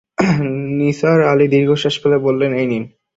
নিসার আলি দীর্ঘনিঃশ্বাস ফেলে বললেন, এই নিন।